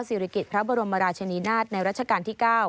ศิริกิจพระบรมราชนีนาฏในรัชกาลที่๙